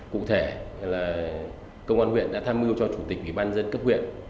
cụ thể là công an huyện đã tham mưu cho chủ tịch ủy ban dân cấp huyện